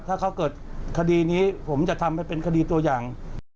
ถ้าเขาเกิดคดีนี้ผมจะทำให้เป็นคดีตัวอย่าง